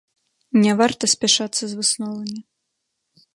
Не варта спяшацца з высновамі.